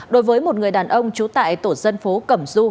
đối với một người đàn ông trú tại tổ dân phố cẩm du